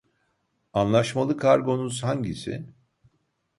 Anlaşmalı kargonuz hangisi?